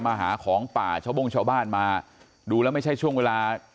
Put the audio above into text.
มาหาของป่าชาวโบ้งชาวบ้านมาดูแล้วไม่ใช่ช่วงเวลา